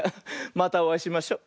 またおあいしましょ。